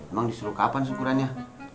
emang disuruh kapan syukurannya